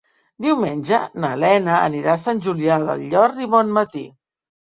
Diumenge na Lena anirà a Sant Julià del Llor i Bonmatí.